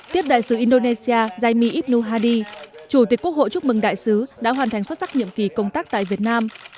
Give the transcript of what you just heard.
tiếp đại sứ indonesia ib nu hadi chủ tịch quốc hội chúc mừng đại sứ đã hoàn thành xuất sắc nhiệm kỳ công tác tại việt nam